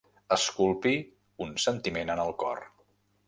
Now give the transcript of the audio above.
Esculpir un sentiment en el cor.